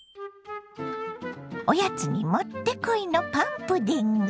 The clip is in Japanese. おやつに持ってこいのパンプディング。